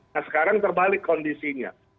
nah sekarang terbalik kondisinya